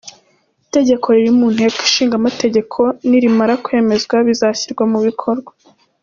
Itegeko riri mu Nteko Ishinga Amategeko, nirimara kwemezwa bizashyirwa mu bikorwa.